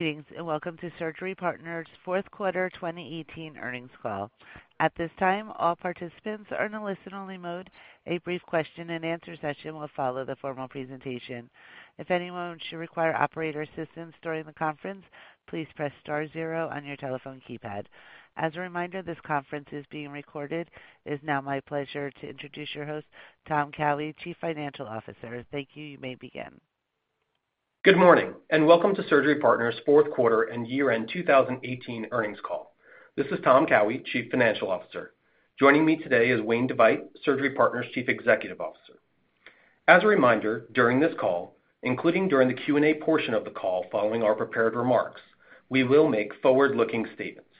Greetings, welcome to Surgery Partners' fourth quarter 2018 earnings call. At this time, all participants are in a listen-only mode. A brief question and answer session will follow the formal presentation. If anyone should require operator assistance during the conference, please press star zero on your telephone keypad. As a reminder, this conference is being recorded. It is now my pleasure to introduce your host, Tom Cowhey, Chief Financial Officer. Thank you. You may begin. Good morning, welcome to Surgery Partners' fourth quarter and year-end 2018 earnings call. This is Tom Cowhey, Chief Financial Officer. Joining me today is Wayne DeVeydt, Surgery Partners' Chief Executive Officer. As a reminder, during this call, including during the Q&A portion of the call following our prepared remarks, we will make forward-looking statements.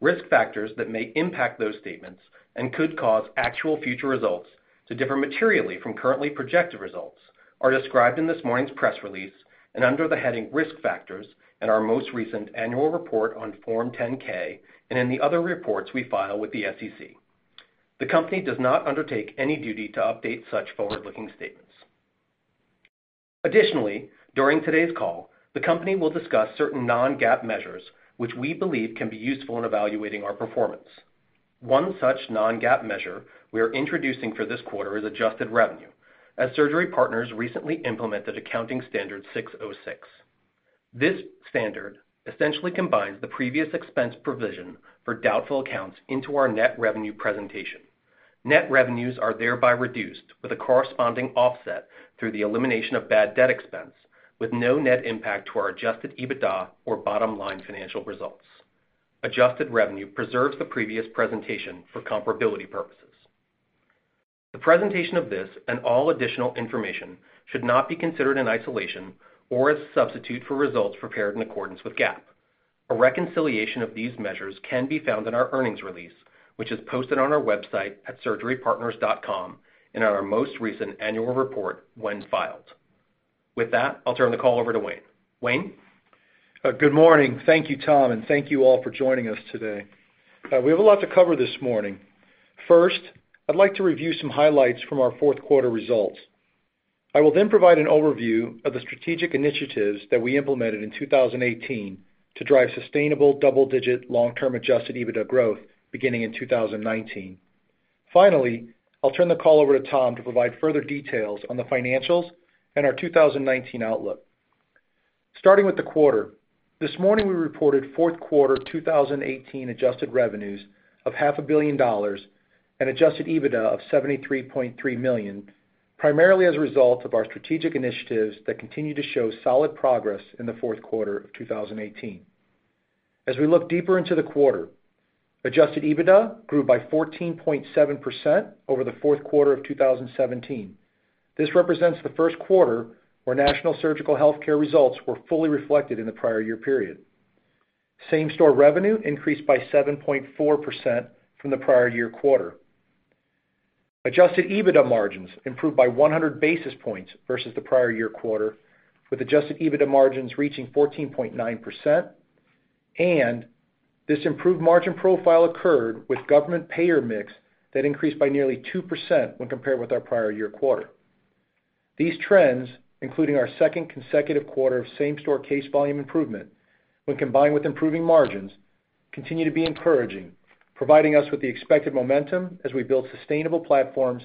Risk factors that may impact those statements and could cause actual future results to differ materially from currently projected results are described in this morning's press release and under the heading Risk Factors in our most recent annual report on Form 10-K, and in the other reports we file with the SEC. The company does not undertake any duty to update such forward-looking statements. Additionally, during today's call, the company will discuss certain non-GAAP measures which we believe can be useful in evaluating our performance. One such non-GAAP measure we are introducing for this quarter is adjusted revenue, as Surgery Partners recently implemented Accounting Standard 606. This standard essentially combines the previous expense provision for doubtful accounts into our net revenue presentation. Net revenues are thereby reduced with a corresponding offset through the elimination of bad debt expense, with no net impact to our adjusted EBITDA or bottom-line financial results. Adjusted revenue preserves the previous presentation for comparability purposes. The presentation of this and all additional information should not be considered in isolation or as a substitute for results prepared in accordance with GAAP. A reconciliation of these measures can be found in our earnings release, which is posted on our website at surgerypartners.com and in our most recent annual report when filed. With that, I'll turn the call over to Wayne. Wayne? Good morning. Thank you, Tom, thank you all for joining us today. We have a lot to cover this morning. First, I'd like to review some highlights from our fourth quarter results. I will then provide an overview of the strategic initiatives that we implemented in 2018 to drive sustainable double-digit long-term adjusted EBITDA growth beginning in 2019. Finally, I'll turn the call over to Tom to provide further details on the financials and our 2019 outlook. Starting with the quarter, this morning we reported fourth quarter 2018 adjusted revenues of $500,000,000 and adjusted EBITDA of $73.3 million, primarily as a result of our strategic initiatives that continue to show solid progress in the fourth quarter of 2018. As we look deeper into the quarter, adjusted EBITDA grew by 14.7% over the fourth quarter of 2017. This represents the first quarter where National Surgical Healthcare results were fully reflected in the prior year period. Same-store revenue increased by 7.4% from the prior year quarter. adjusted EBITDA margins improved by 100 basis points versus the prior year quarter, with adjusted EBITDA margins reaching 14.9%, and this improved margin profile occurred with government payer mix that increased by nearly 2% when compared with our prior year quarter. These trends, including our second consecutive quarter of same-store case volume improvement, when combined with improving margins, continue to be encouraging, providing us with the expected momentum as we build sustainable platforms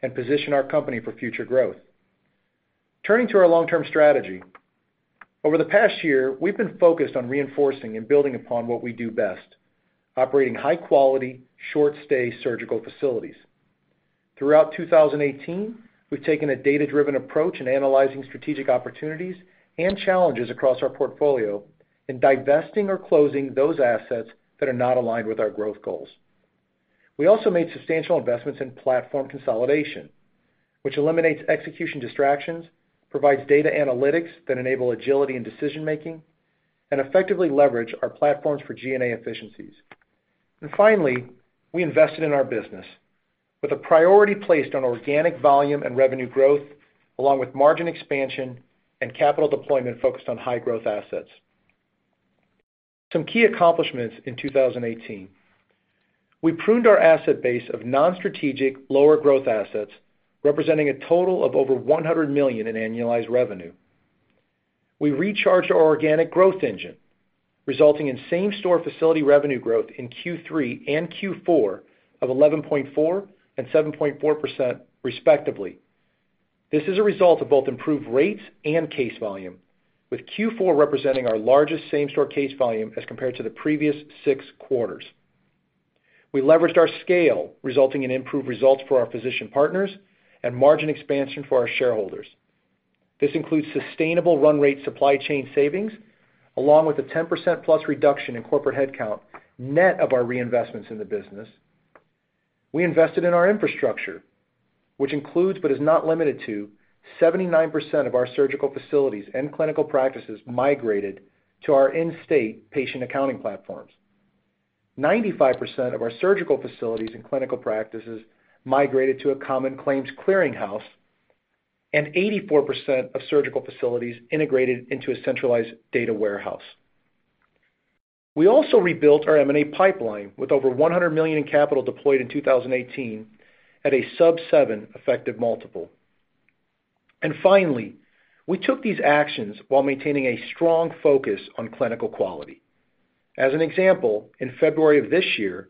and position our company for future growth. Turning to our long-term strategy, over the past year, we've been focused on reinforcing and building upon what we do best, operating high-quality, short-stay surgical facilities. Throughout 2018, we've taken a data-driven approach in analyzing strategic opportunities and challenges across our portfolio and divesting or closing those assets that are not aligned with our growth goals. We also made substantial investments in platform consolidation, which eliminates execution distractions, provides data analytics that enable agility in decision-making, and effectively leverage our platforms for G&A efficiencies. Finally, we invested in our business with a priority placed on organic volume and revenue growth, along with margin expansion and capital deployment focused on high-growth assets. Some key accomplishments in 2018. We pruned our asset base of non-strategic, lower-growth assets, representing a total of over $100 million in annualized revenue. We recharged our organic growth engine, resulting in same-store facility revenue growth in Q3 and Q4 of 11.4% and 7.4%, respectively. This is a result of both improved rates and case volume, with Q4 representing our largest same-store case volume as compared to the previous six quarters. We leveraged our scale, resulting in improved results for our physician partners and margin expansion for our shareholders. This includes sustainable run-rate supply chain savings, along with a 10%+ reduction in corporate headcount, net of our reinvestments in the business. We invested in our infrastructure, which includes, but is not limited to, 79% of our surgical facilities and clinical practices migrated to our in-house patient accounting platforms. 95% of our surgical facilities and clinical practices migrated to a common claims clearing house, and 84% of surgical facilities integrated into a centralized data warehouse. We also rebuilt our M&A pipeline with over $100 million in capital deployed in 2018 at a sub seven effective multiple. Finally, we took these actions while maintaining a strong focus on clinical quality. As an example, in February of this year,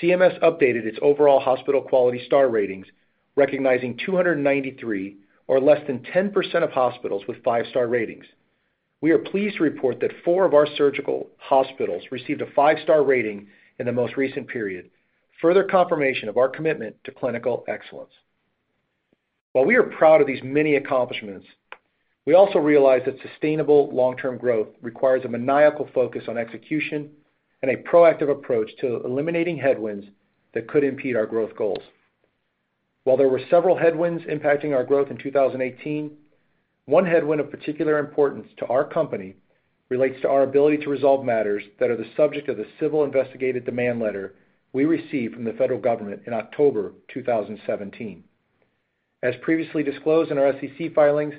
CMS updated its overall hospital quality star ratings recognizing 293 or less than 10% of hospitals with five-star ratings. We are pleased to report that four of our surgical hospitals received a five-star rating in the most recent period. Further confirmation of our commitment to clinical excellence. While we are proud of these many accomplishments, we also realize that sustainable long-term growth requires a maniacal focus on execution and a proactive approach to eliminating headwinds that could impede our growth goals. While there were several headwinds impacting our growth in 2018, one headwind of particular importance to our company relates to our ability to resolve matters that are the subject of the civil investigated demand letter we received from the federal government in October 2017. As previously disclosed in our SEC filings,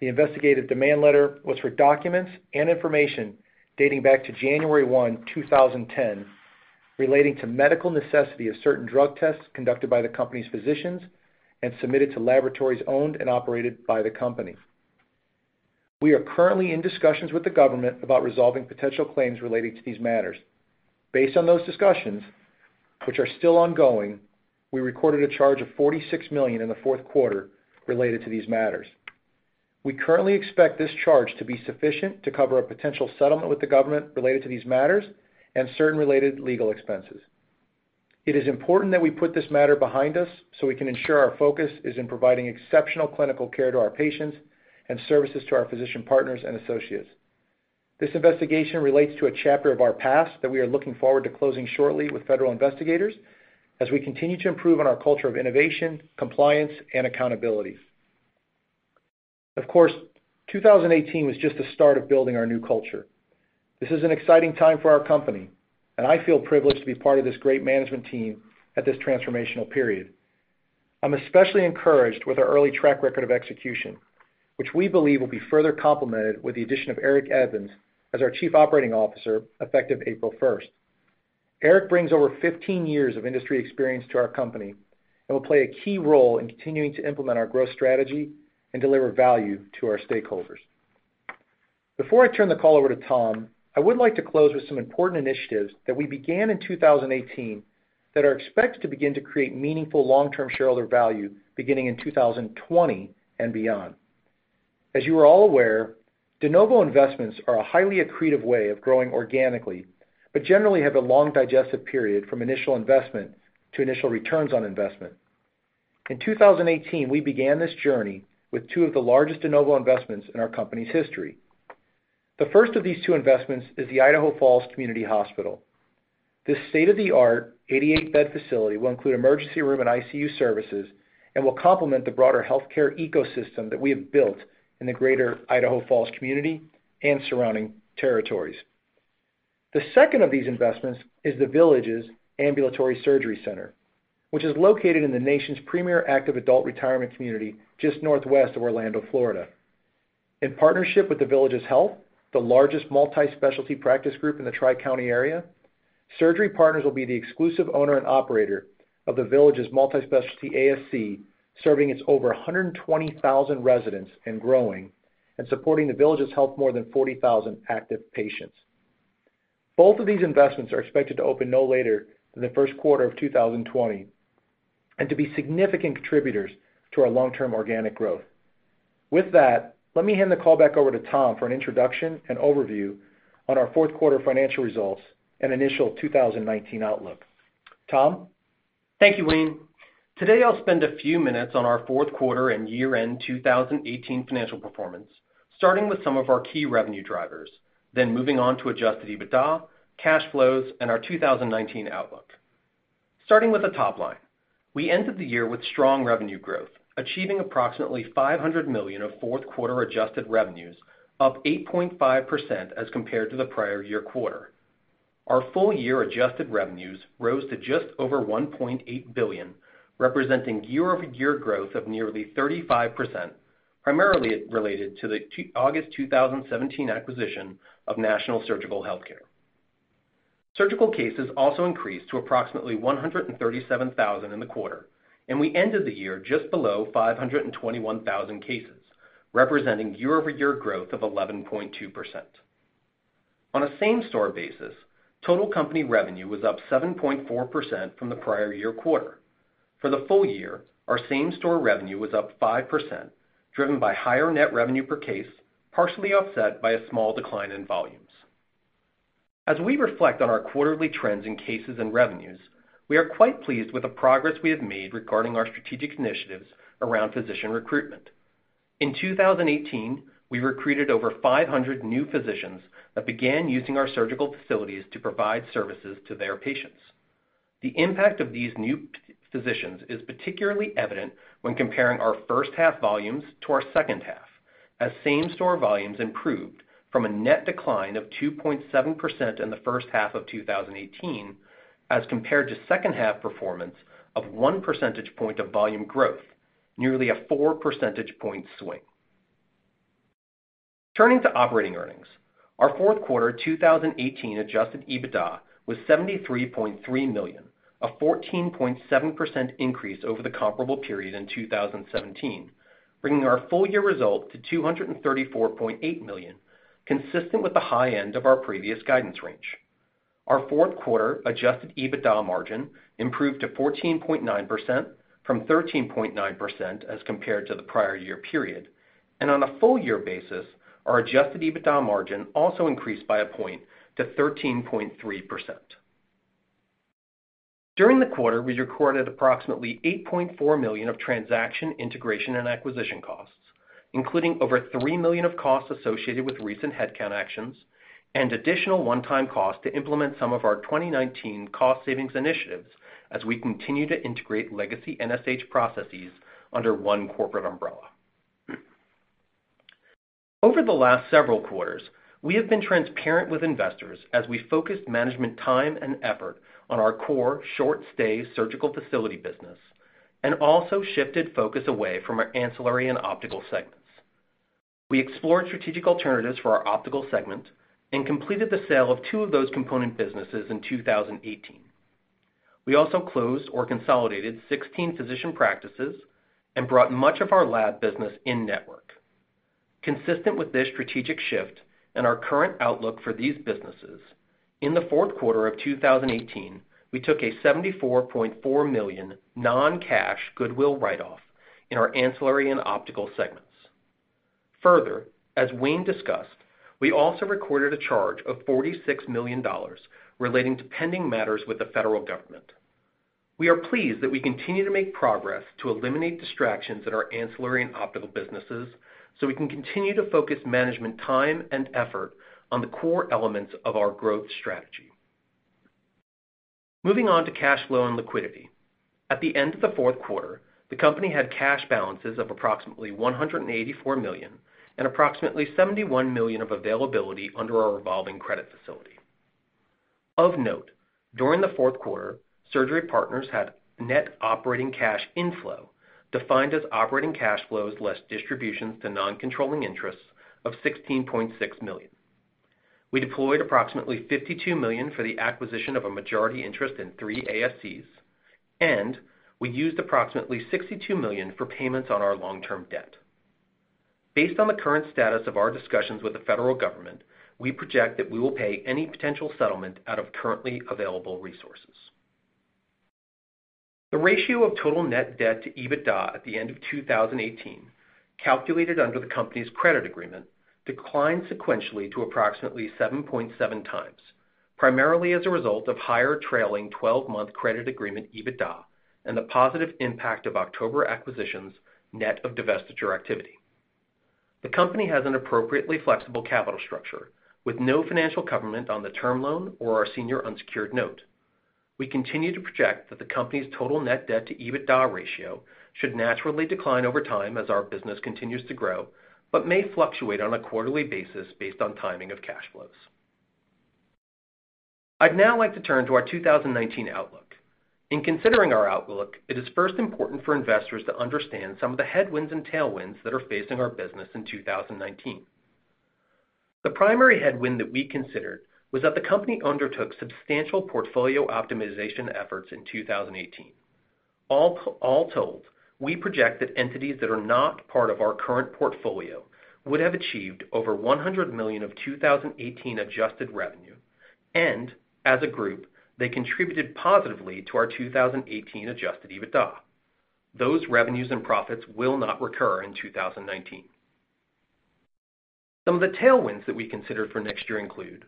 the investigated demand letter was for documents and information dating back to January 1, 2010, relating to medical necessity of certain drug tests conducted by the company's physicians and submitted to laboratories owned and operated by the company. We are currently in discussions with the government about resolving potential claims relating to these matters. Based on those discussions, which are still ongoing, we recorded a charge of $46 million in the fourth quarter related to these matters. We currently expect this charge to be sufficient to cover a potential settlement with the government related to these matters and certain related legal expenses. It is important that we put this matter behind us so we can ensure our focus is in providing exceptional clinical care to our patients and services to our physician partners and associates. This investigation relates to a chapter of our past that we are looking forward to closing shortly with federal investigators as we continue to improve on our culture of innovation, compliance, and accountability. Of course, 2018 was just the start of building our new culture. This is an exciting time for our company, and I feel privileged to be part of this great management team at this transformational period. I'm especially encouraged with our early track record of execution, which we believe will be further complemented with the addition of Eric Evans as our Chief Operating Officer, effective April 1st. Eric brings over 15 years of industry experience to our company and will play a key role in continuing to implement our growth strategy and deliver value to our stakeholders. Before I turn the call over to Tom, I would like to close with some important initiatives that we began in 2018 that are expected to begin to create meaningful long-term shareholder value beginning in 2020 and beyond. As you are all aware, de novo investments are a highly accretive way of growing organically, but generally have a long digestive period from initial investment to initial returns on investment. In 2018, we began this journey with two of the largest de novo investments in our company's history. The first of these two investments is the Idaho Falls Community Hospital. This state-of-the-art 88-bed facility will include emergency room and ICU services and will complement the broader healthcare ecosystem that we have built in the greater Idaho Falls community and surrounding territories. The second of these investments is The Villages Ambulatory Surgery Center, which is located in the nation's premier active adult retirement community, just northwest of Orlando, Florida. In partnership with The Villages Health, the largest multi-specialty practice group in the Tri-County area, Surgery Partners will be the exclusive owner and operator of The Villages Multi-Specialty ASC, serving its over 120,000 residents and growing and supporting The Villages Health more than 40,000 active patients. Both of these investments are expected to open no later than the first quarter of 2020, and to be significant contributors to our long-term organic growth. Let me hand the call back over to Tom for an introduction and overview on our fourth quarter financial results and initial 2019 outlook. Tom? Thank you, Wayne. Today, I'll spend a few minutes on our fourth quarter and year-end 2018 financial performance, starting with some of our key revenue drivers, then moving on to adjusted EBITDA, cash flows, and our 2019 outlook. Starting with the top line, we ended the year with strong revenue growth, achieving approximately $500 million of fourth quarter adjusted revenues, up 8.5% as compared to the prior year quarter. Our full year adjusted revenues rose to just over $1.8 billion, representing year-over-year growth of nearly 35%, primarily related to the August 2017 acquisition of National Surgical Healthcare. Surgical cases also increased to approximately 137,000 cases in the quarter, and we ended the year just below 521,000 cases, representing year-over-year growth of 11.2%. On a same-store basis, total company revenue was up 7.4% from the prior year quarter. For the full year, our same-store revenue was up 5%, driven by higher net revenue per case, partially offset by a small decline in volumes. As we reflect on our quarterly trends in cases and revenues, we are quite pleased with the progress we have made regarding our strategic initiatives around physician recruitment. In 2018, we recruited over 500 new physicians that began using our surgical facilities to provide services to their patients. The impact of these new physicians is particularly evident when comparing our first half volumes to our second half, as same-store volumes improved from a net decline of 2.7% in the first half of 2018 as compared to second half performance of 1 percentage point of volume growth, nearly a 4 percentage point swing. Turning to operating earnings, our fourth quarter 2018 adjusted EBITDA was $73.3 million, a 14.7% increase over the comparable period in 2017, bringing our full year result to $234.8 million, consistent with the high end of our previous guidance range. Our fourth quarter adjusted EBITDA margin improved to 14.9% from 13.9% as compared to the prior year period, and on a full year basis, our adjusted EBITDA margin also increased by a point to 13.3%. During the quarter, we recorded approximately $8.4 million of transaction integration and acquisition costs, including over $3 million of costs associated with recent headcount actions and additional one-time costs to implement some of our 2019 cost savings initiatives as we continue to integrate legacy NSH processes under one corporate umbrella. Over the last several quarters, we have been transparent with investors as we focused management time and effort on our core short-stay surgical facility business and also shifted focus away from our ancillary and optical segments. We explored strategic alternatives for our optical segment and completed the sale of two of those component businesses in 2018. We also closed or consolidated 16 physician practices and brought much of our lab business in-network. Consistent with this strategic shift and our current outlook for these businesses, in the fourth quarter of 2018, we took a $74.4 million non-cash goodwill write-off in our ancillary and optical segments. Further, as Wayne discussed, we also recorded a charge of $46 million relating to pending matters with the federal government. We are pleased that we continue to make progress to eliminate distractions at our ancillary and optical businesses so we can continue to focus management time and effort on the core elements of our growth strategy. Moving on to cash flow and liquidity. At the end of the fourth quarter, the company had cash balances of approximately $184 million and approximately $71 million of availability under our revolving credit facility. Of note, during the fourth quarter, Surgery Partners had net operating cash inflow, defined as operating cash flows less distributions to non-controlling interests of $16.6 million. We deployed approximately $52 million for the acquisition of a majority interest in three ASCs, and we used approximately $62 million for payments on our long-term debt. Based on the current status of our discussions with the federal government, we project that we will pay any potential settlement out of currently available resources. The ratio of total net debt to EBITDA at the end of 2018, calculated under the company's credit agreement, declined sequentially to approximately 7.7x, primarily as a result of higher trailing 12-month credit agreement EBITDA and the positive impact of October acquisitions net of divestiture activity. The company has an appropriately flexible capital structure with no financial covenant on the term loan or our senior unsecured note. We continue to project that the company's total net debt to EBITDA ratio should naturally decline over time as our business continues to grow, but may fluctuate on a quarterly basis based on timing of cash flows. I'd now like to turn to our 2019 outlook. In considering our outlook, it is first important for investors to understand some of the headwinds and tailwinds that are facing our business in 2019. The primary headwind that we considered was that the company undertook substantial portfolio optimization efforts in 2018. All told, we project that entities that are not part of our current portfolio would have achieved over $100 million of 2018 adjusted revenue, and as a group, they contributed positively to our 2018 adjusted EBITDA. Those revenues and profits will not recur in 2019. Some of the tailwinds that we consider for next year include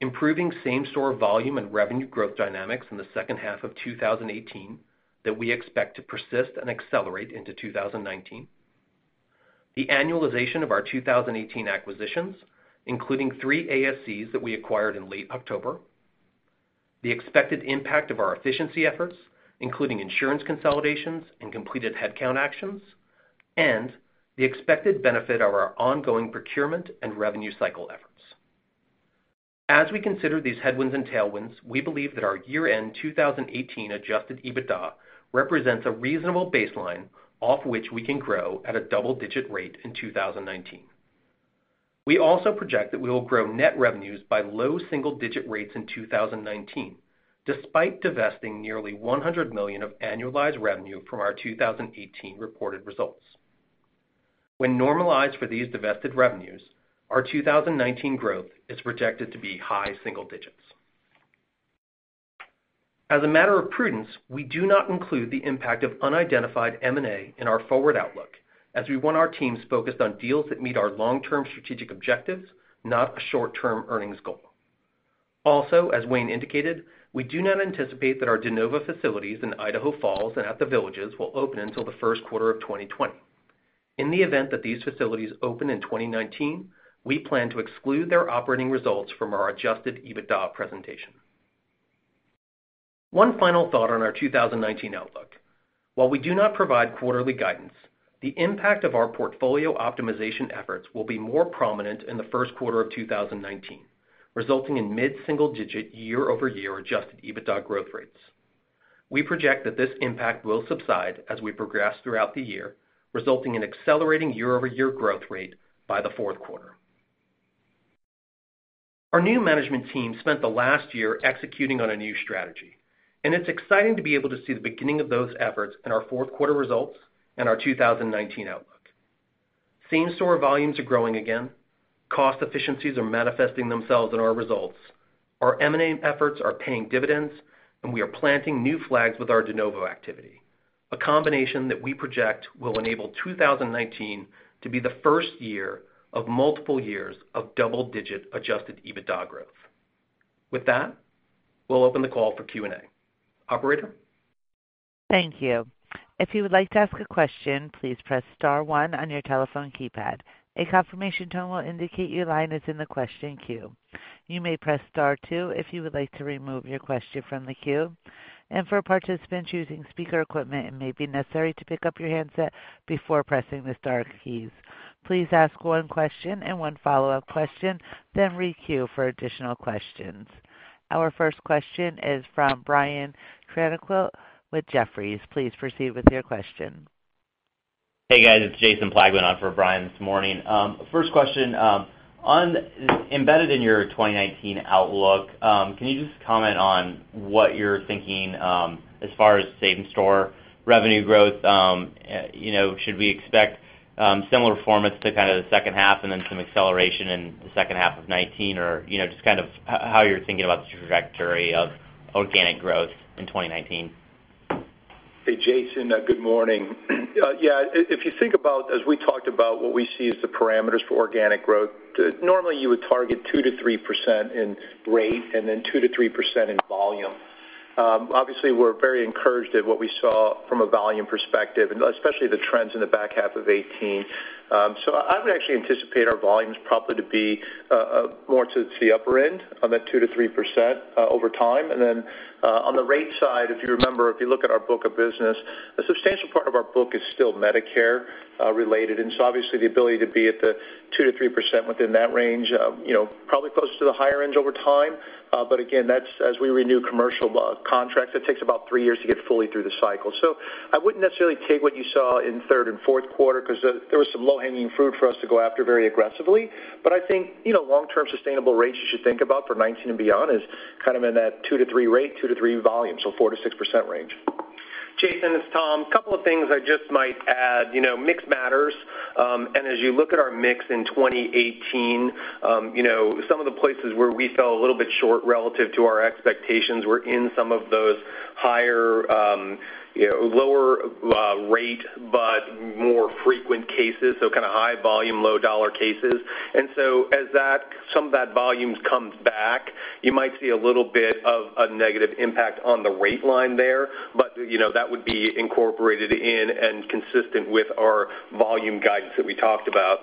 improving same-store volume and revenue growth dynamics in the second half of 2018 that we expect to persist and accelerate into 2019, the annualization of our 2018 acquisitions, including three ASCs that we acquired in late October, the expected impact of our efficiency efforts, including insurance consolidations and completed headcount actions, and the expected benefit of our ongoing procurement and revenue cycle efforts. As we consider these headwinds and tailwinds, we believe that our year-end 2018 adjusted EBITDA represents a reasonable baseline off which we can grow at a double-digit rate in 2019. We also project that we will grow net revenues by low single-digit rates in 2019, despite divesting nearly $100 million of annualized revenue from our 2018 reported results. When normalized for these divested revenues, our 2019 growth is projected to be high single-digits. As a matter of prudence, we do not include the impact of unidentified M&A in our forward outlook, as we want our teams focused on deals that meet our long-term strategic objectives, not a short-term earnings goal. As Wayne indicated, we do not anticipate that our de novo facilities in Idaho Falls and at The Villages will open until the first quarter of 2020. In the event that these facilities open in 2019, we plan to exclude their operating results from our adjusted EBITDA presentation. One final thought on our 2019 outlook. While we do not provide quarterly guidance, the impact of our portfolio optimization efforts will be more prominent in the first quarter of 2019, resulting in mid-single digit year-over-year adjusted EBITDA growth rates. We project that this impact will subside as we progress throughout the year, resulting in accelerating year-over-year growth rate by the fourth quarter. Our new management team spent the last year executing on a new strategy. It's exciting to be able to see the beginning of those efforts in our fourth quarter results and our 2019 outlook. Same-store volumes are growing again, cost efficiencies are manifesting themselves in our results, our M&A efforts are paying dividends, and we are planting new flags with our de novo activity, a combination that we project will enable 2019 to be the first year of multiple years of double-digit adjusted EBITDA growth. With that, we'll open the call for Q&A. Operator? Thank you. If you would like to ask a question, please press star one on your telephone keypad. A confirmation tone will indicate your line is in the question queue. You may press star two if you would like to remove your question from the queue. For participants using speaker equipment, it may be necessary to pick up your handset before pressing the star keys. Please ask one question and one follow-up question, then re-queue for additional questions. Our first question is from Brian Tanquilut with Jefferies. Please proceed with your question. Hey, guys. It's Jason Plagman on for Brian this morning. First question, embedded in your 2019 outlook, can you just comment on what you're thinking as far as same-store revenue growth? Should we expect similar performance to the second half and then some acceleration in the second half of 2019? Or, just how you're thinking about the trajectory of organic growth in 2019. Hey, Jason. Good morning. Yeah, if you think about, as we talked about, what we see as the parameters for organic growth, normally you would target 2%-3% in rate and then 2%-3% in volume. Obviously, we're very encouraged at what we saw from a volume perspective, especially the trends in the back half of 2018. I would actually anticipate our volumes probably to be more to the upper end on that 2%-3% over time. On the rate side, if you remember, if you look at our book of business, a substantial part of our book is still Medicare related, obviously the ability to be at the 2%-3% within that range, probably closer to the higher end over time. Again, as we renew commercial contracts, it takes about three years to get fully through the cycle. I wouldn't necessarily take what you saw in third and fourth quarter because there was some low-hanging fruit for us to go after very aggressively. I think long-term sustainable rates you should think about for 2019 and beyond is in that 2%-3% rate, 2%-3% volume, so 4%-6% range. Jason, it's Tom. Couple of things I just might add. Mix matters, as you look at our mix in 2018, some of the places where we fell a little bit short relative to our expectations were in some of those lower rate but more frequent cases, so high volume, low dollar cases. As some of that volume comes back, you might see a little bit of a negative impact on the rate line there, that would be incorporated in and consistent with our volume guidance that we talked about.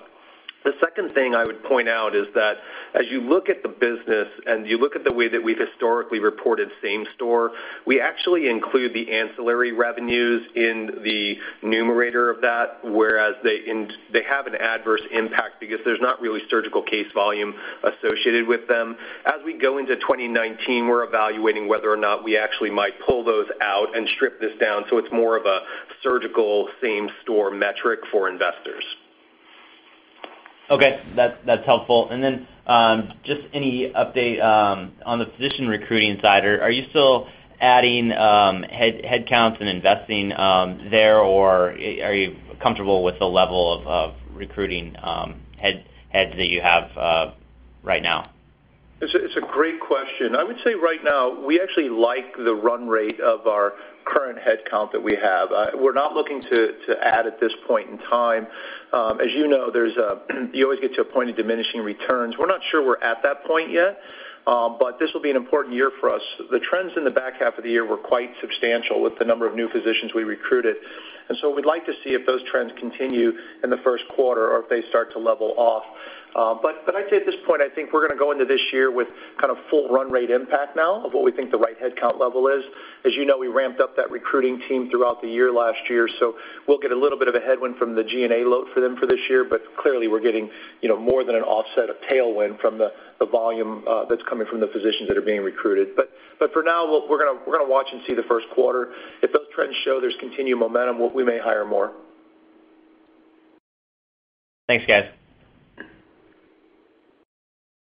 The second thing I would point out is that as you look at the business, you look at the way that we've historically reported same store, we actually include the ancillary revenues in the numerator of that, whereas they have an adverse impact because there's not really surgical case volume associated with them. As we go into 2019, we're evaluating whether or not we actually might pull those out and strip this down so it's more of a surgical same-store metric for investors. Okay. That's helpful. Just any update on the physician recruiting side. Are you still adding headcounts and investing there, or are you comfortable with the level of recruiting heads that you have right now? It's a great question. I would say right now we actually like the run rate of our current headcount that we have. We're not looking to add at this point in time. As you know, you always get to a point of diminishing returns. We're not sure we're at that point yet, but this will be an important year for us. The trends in the back half of the year were quite substantial with the number of new physicians we recruited. We'd like to see if those trends continue in the first quarter or if they start to level off. I'd say at this point, I think we're going to go into this year with full run rate impact now of what we think the right headcount level is. As you know, we ramped up that recruiting team throughout the year last year. We'll get a little bit of a headwind from the G&A load for them for this year. Clearly, we're getting more than an offset of tailwind from the volume that's coming from the physicians that are being recruited. For now, we're going to watch and see the first quarter. If those trends show there's continued momentum, we may hire more. Thanks, guys.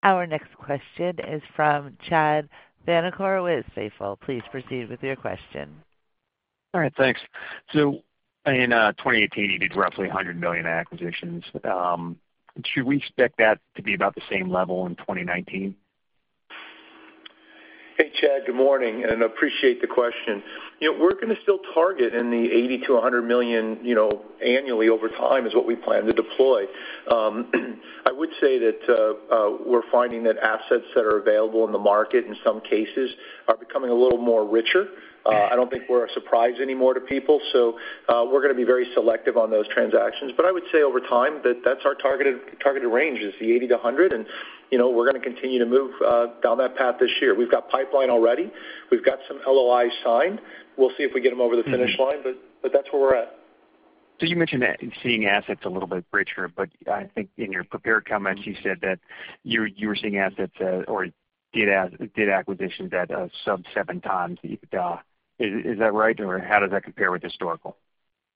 Our next question is from Chad Vanacore with Stifel. Please proceed with your question. All right, thanks. In 2018, you did roughly $100 million acquisitions. Should we expect that to be about the same level in 2019? Hey, Chad, good morning, and appreciate the question. We're going to still target in the $80 million-$100 million annually over time is what we plan to deploy. I would say that we're finding that assets that are available in the market in some cases are becoming a little more richer. I don't think we're a surprise anymore to people, we're going to be very selective on those transactions. I would say over time, that that's our targeted range is the $80 million-$100 million, and we're going to continue to move down that path this year. We've got pipeline already. We've got some LOIs signed. We'll see if we get them over the finish line, that's where we're at. You mentioned that in seeing assets a little bit richer, I think in your prepared comments, you said that you were seeing assets or did acquisitions at sub-7x EBITDA. Is that right? How does that compare with historical?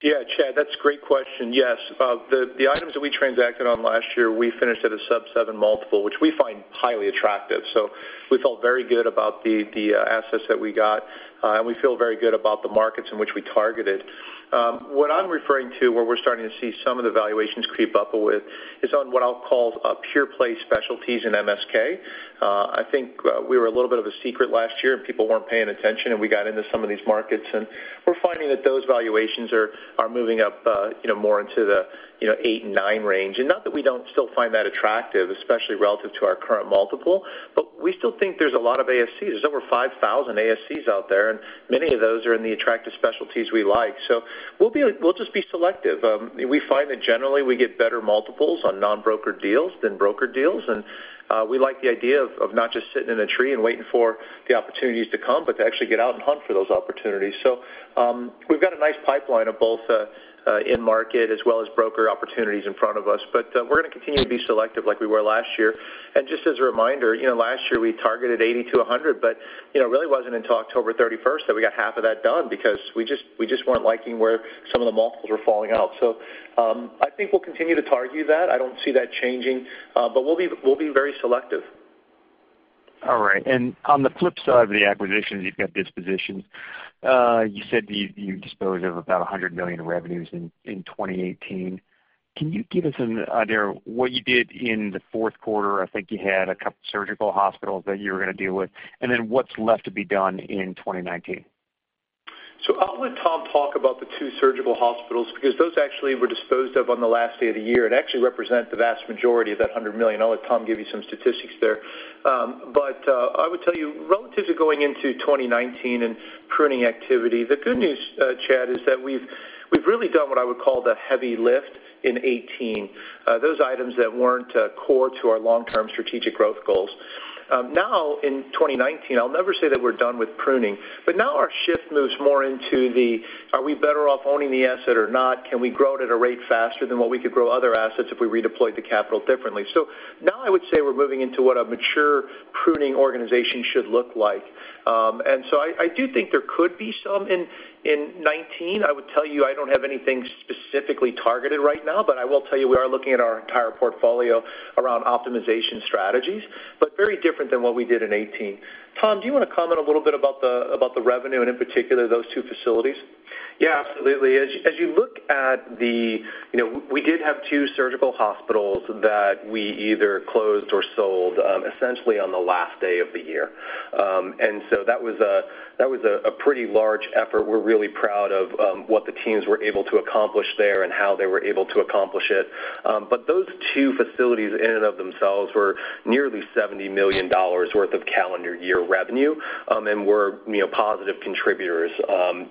Chad, that's a great question. Yes. The items that we transacted on last year, we finished at a sub-7x, which we find highly attractive. We felt very good about the assets that we got, and we feel very good about the markets in which we targeted. What I'm referring to, where we're starting to see some of the valuations creep up with, is on what I'll call pure play specialties in MSK. I think we were a little bit of a secret last year and people weren't paying attention, and we got into some of these markets, and we're finding that those valuations are moving up more into the 8x and 9x range. Not that we don't still find that attractive, especially relative to our current multiple, but we still think there's a lot of ASCs. There's over 5,000 ASCs out there, and many of those are in the attractive specialties we like. We'll just be selective. We find that generally we get better multiples on non-brokered deals than brokered deals, and we like the idea of not just sitting in a tree and waiting for the opportunities to come, but to actually get out and hunt for those opportunities. We've got a nice pipeline of both in-market as well as broker opportunities in front of us. We're going to continue to be selective like we were last year. Just as a reminder, last year we targeted $80 million-$100 million, but it really wasn't until October 31st that we got half of that done because we just weren't liking where some of the multiples were falling out. I think we'll continue to target that. I don't see that changing. We'll be very selective. All right. On the flip side of the acquisitions, you've got dispositions. You said you disposed of about $100 million in revenues in 2018. Can you give us an idea what you did in the fourth quarter? I think you had a couple surgical hospitals that you were going to deal with. What's left to be done in 2019? I'll let Tom talk about the two surgical hospitals because those actually were disposed of on the last day of the year and actually represent the vast majority of that $100 million. I'll let Tom give you some statistics there. I would tell you relative to going into 2019 and pruning activity, the good news, Chad, is that we've really done what I would call the heavy lift in 2018, those items that weren't core to our long-term strategic growth goals. In 2019, I'll never say that we're done with pruning, but now our shift moves more into the are we better off owning the asset or not? Can we grow it at a rate faster than what we could grow other assets if we redeployed the capital differently? I would say we're moving into what a mature pruning organization should look like. I do think there could be some in 2019. I would tell you, I don't have anything specifically targeted right now, I will tell you, we are looking at our entire portfolio around optimization strategies, very different than what we did in 2018. Tom, do you want to comment a little bit about the revenue and in particular those two facilities? Yeah, absolutely. As you look at, we did have two surgical hospitals that we either closed or sold essentially on the last day of the year. That was a pretty large effort. We're really proud of what the teams were able to accomplish there and how they were able to accomplish it. Those two facilities in and of themselves were nearly $70 million worth of calendar year revenue, and were positive contributors to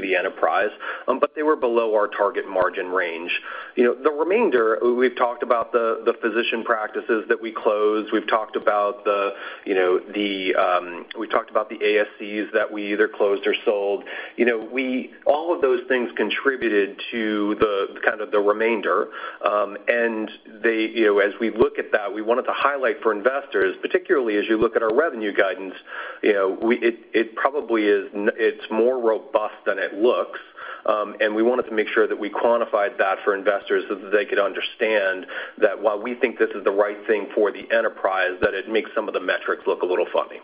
the enterprise. They were below our target margin range. The remainder, we've talked about the physician practices that we closed. We've talked about the ASCs that we either closed or sold. All of those things contributed to the remainder. As we look at that, we wanted to highlight for investors, particularly as you look at our revenue guidance, it's more robust than it looks. We wanted to make sure that we quantified that for investors so that they could understand that while we think this is the right thing for the enterprise, that it makes some of the metrics look a little funny.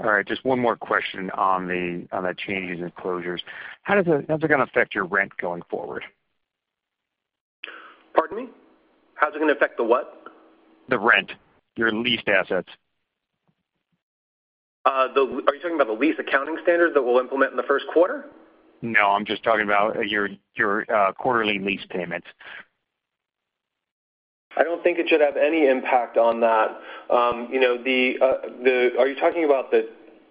All right. Just one more question on the changes and closures. How is it going to affect your rent going forward? Pardon me? How is it going to affect the what? The rent, your leased assets. Are you talking about the lease accounting standard that we will implement in the first quarter? No, I'm just talking about your quarterly lease payments. I don't think it should have any impact on that.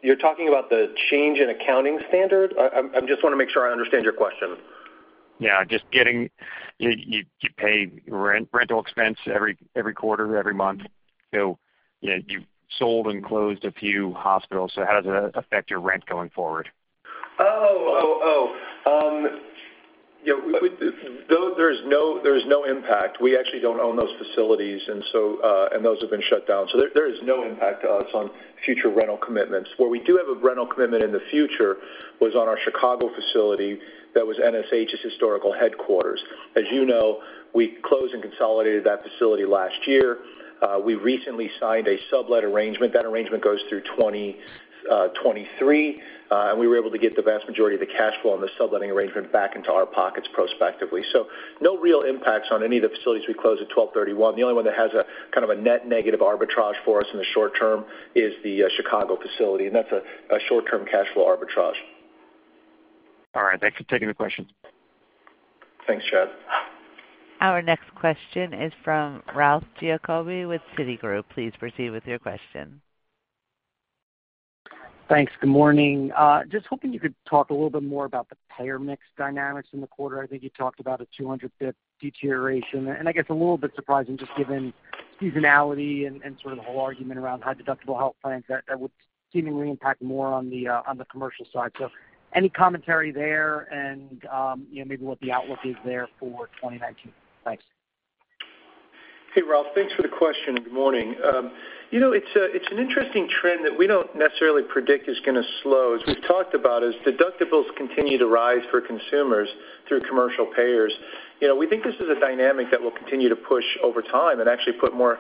You're talking about the change in accounting standard? I just want to make sure I understand your question. Yeah. You pay rental expense every quarter, every month. You've sold and closed a few hospitals, how does that affect your rent going forward? Oh. There's no impact. We actually don't own those facilities, and those have been shut down. There is no impact to us on future rental commitments. Where we do have a rental commitment in the future was on our Chicago facility that was NSH's historical headquarters. As you know, we closed and consolidated that facility last year. We recently signed a sublet arrangement. That arrangement goes through 2023, and we were able to get the vast majority of the cash flow on the subletting arrangement back into our pockets prospectively. No real impacts on any of the facilities we closed at [12/31/2018]. The only one that has a net negative arbitrage for us in the short term is the Chicago facility, and that's a short-term cash flow arbitrage. All right. Thanks for taking the question. Thanks, Chad. Our next question is from Ralph Giacobbe with Citigroup. Please proceed with your question. Thanks. Good morning. Just hoping you could talk a little bit more about the payer mix dynamics in the quarter. I think you talked about a 200 basis point deterioration, and I guess a little bit surprising just given seasonality and sort of the whole argument around high deductible health plans that would seemingly impact more on the commercial side. Any commentary there and maybe what the outlook is there for 2019? Thanks. Hey, Ralph, thanks for the question. Good morning. It's an interesting trend that we don't necessarily predict is going to slow. As we've talked about, as deductibles continue to rise for consumers through commercial payers, we think this is a dynamic that will continue to push over time and actually put more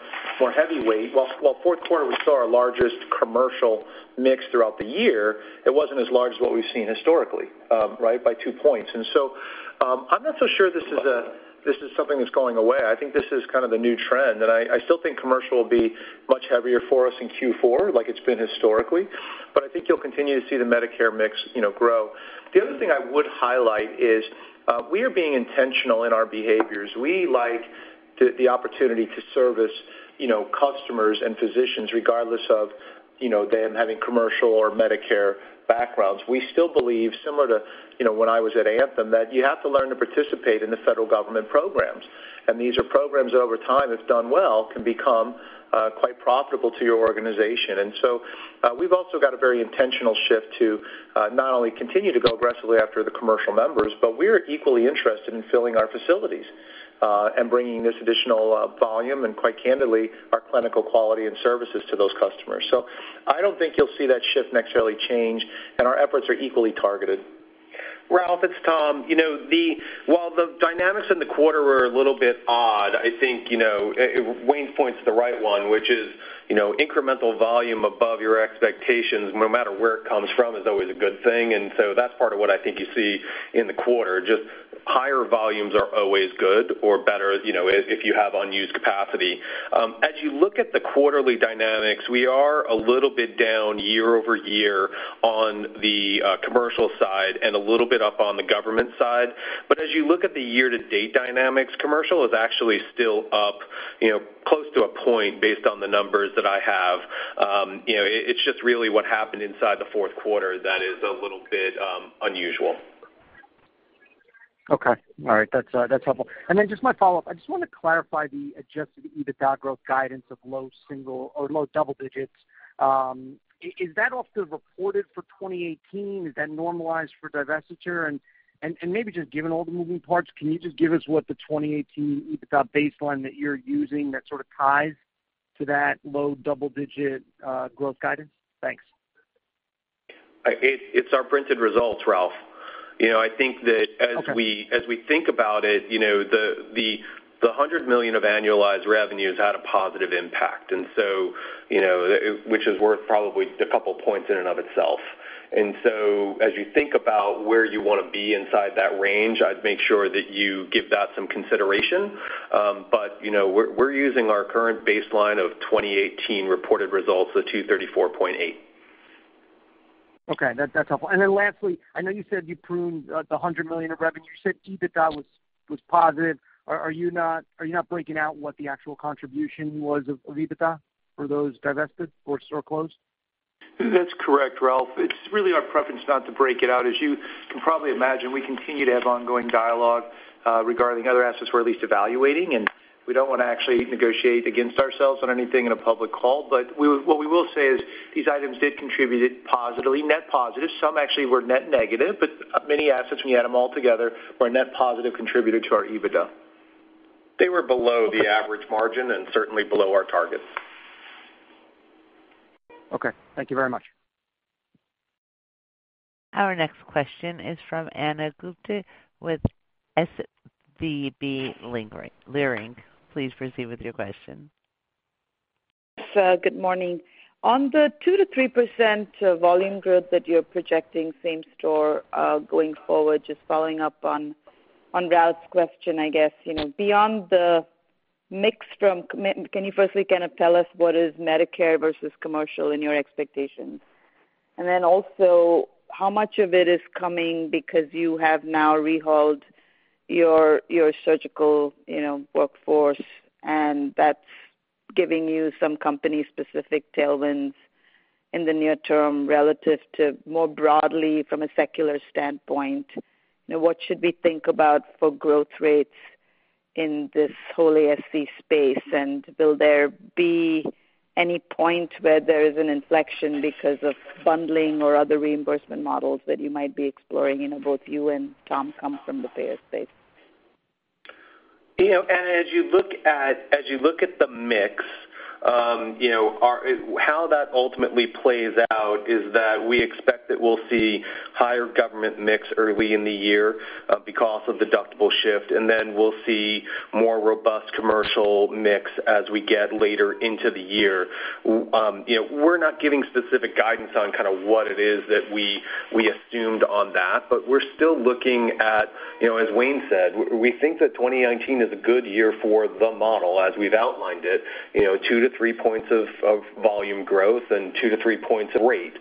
heavy weight. While fourth quarter, we saw our largest commercial mix throughout the year, it wasn't as large as what we've seen historically, by two points. I'm not so sure this is something that's going away. I think this is the new trend, I still think commercial will be much heavier for us in Q4, like it's been historically. I think you'll continue to see the Medicare mix grow. The other thing I would highlight is we are being intentional in our behaviors. We like the opportunity to service customers and physicians, regardless of them having commercial or Medicare backgrounds. We still believe, similar to when I was at Anthem, that you have to learn to participate in the federal government programs. These are programs, over time, if done well, can become quite profitable to your organization. We've also got a very intentional shift to not only continue to go aggressively after the commercial members, but we're equally interested in filling our facilities, and bringing this additional volume, and quite candidly, our clinical quality and services to those customers. I don't think you'll see that shift necessarily change, and our efforts are equally targeted. Ralph, it's Tom. While the dynamics in the quarter were a little bit odd, I think Wayne points to the right one, which is incremental volume above your expectations, no matter where it comes from, is always a good thing. That's part of what I think you see in the quarter, just higher volumes are always good or better, if you have unused capacity. As you look at the quarterly dynamics, we are a little bit down year-over-year on the commercial side and a little bit up on the government side. As you look at the year-to-date dynamics, commercial is actually still up close to a point based on the numbers that I have. It's just really what happened inside the fourth quarter that is a little bit unusual. Okay. All right. That's helpful. Just my follow-up, I just want to clarify the adjusted EBITDA growth guidance of low double digits. Is that off the reported for 2018? Is that normalized for divestiture? Maybe just given all the moving parts, can you just give us what the 2018 EBITDA baseline that you're using that ties to that low double-digit growth guidance? Thanks. It's our printed results, Ralph. Okay. I think that as we think about it, the $100 million of annualized revenue has had a positive impact, which is worth probably a couple points in and of itself. As you think about where you want to be inside that range, I'd make sure that you give that some consideration. We're using our current baseline of 2018 reported results of [$234.8 million]. Okay. That's helpful. Lastly, I know you said you pruned the $100 million of revenue. You said EBITDA was positive. Are you not breaking out what the actual contribution was of EBITDA for those divested or store closed? That's correct, Ralph. It's really our preference not to break it out. You can probably imagine, we continue to have ongoing dialogue regarding other assets we're at least evaluating, and we don't want to actually negotiate against ourselves on anything in a public call. What we will say is these items did contribute positively, net positive. Some actually were net negative, but many assets, when you add them all together, were a net positive contributor to our EBITDA. They were below the average margin and certainly below our target. Okay, thank you very much. Our next question is from Ana Gupte with SVB Leerink. Please proceed with your question. Good morning. On the 2%-3% volume growth that you're projecting same store going forward, just following up on Ralph's question, I guess, beyond the mix from commit, can you firstly tell us what is Medicare versus commercial in your expectations? Then also, how much of it is coming because you have now rehauled your surgical workforce and that's giving you some company specific tailwinds in the near term relative to more broadly from a secular standpoint. What should we think about for growth rates in this whole ASC space, and will there be any point where there is an inflection because of bundling or other reimbursement models that you might be exploring? Both you and Tom come from the payer space. Ana, as you look at the mix, how that ultimately plays out is that we expect that we'll see higher government mix early in the year because of deductible shift, then we'll see more robust commercial mix as we get later into the year. We're not giving specific guidance on what it is that we assumed on that. We're still looking at, as Wayne said, we think that 2019 is a good year for the model as we've outlined it, 2%-3% of volume growth and 2%-3% of rate.